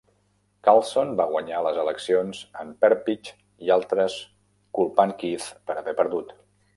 Carlson va guanyar les eleccions, amb Perpich i altres culpant Keith per haver perdut.